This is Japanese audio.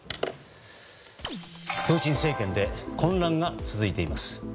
プーチン政権で混乱が続いています。